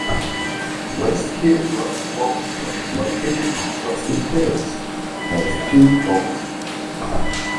West Kilbride Bowling Club, located on Weston Terrace, has two bowling greens.